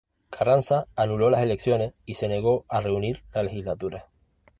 Carranza anuló las elecciones y se negó a reunir la legislatura.